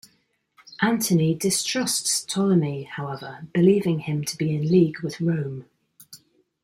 Antony distrusts Ptolemy however, believing him to be in league with Rome.